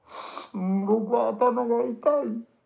「僕は頭が痛い」。